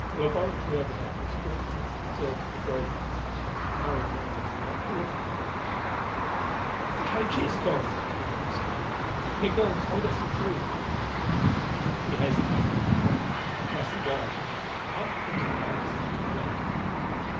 The laboratory overhead was fortunately deserted of Robots: Larry and I had not thought of that. "The cage is gone!" Tina exclaimed. "Migul told us the truth!" We hastened back through the tunnel, past the guard, up into the palace and into the garden.